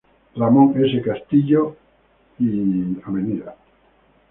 Ramón S. Castillo y Av.